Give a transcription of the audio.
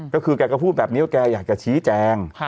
ก็คือแกก็พูดแบบนี้ว่าแกอยากจะชี้แจง